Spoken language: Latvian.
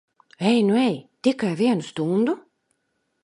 Ej nu ej! Tikai vienu stundu?